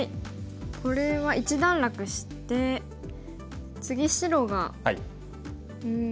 これは一段落して次白がうん。